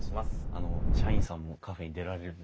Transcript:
あの社員さんもカフェに出られるんですね。